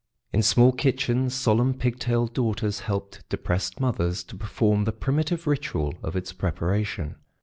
In small kitchens solemn pig tailed daughters helped depressed mothers to perform the primitive ritual of its preparation.